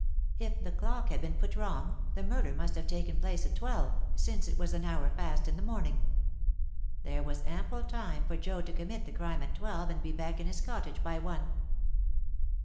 If the clock had been put wrong, the murder must have taken place at twelve, since it was an hour fast in the morning. There was ample time for Joad to commit the crime at twelve, and be back in his cottage by one."